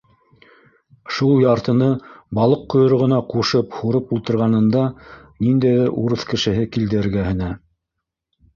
Шул яртыны балыҡ ҡойроғона ҡушып һурып ултырғанында ниндәйҙер урыҫ кешеһе килде эргәһенә.